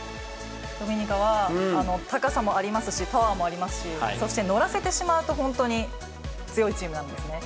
ドミニカは、高さもありますし、パワーもありますし、そして乗らせてしまうと、本当に強いチそうなんですよね。